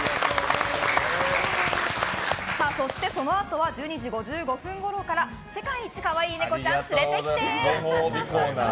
そして、そのあとは１２時５５分ごろから世界一かわいいネコちゃん連れてきて。